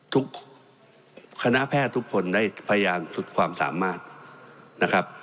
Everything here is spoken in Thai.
ทุกคณะแพทย์ทุกคนได้พยายามสุดความสามารถนะครับ